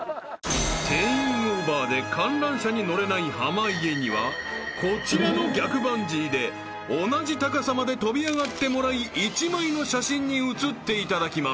［定員オーバーで観覧車に乗れない濱家にはこちらの逆バンジーで同じ高さまで飛び上がってもらい１枚の写真に写っていただきます］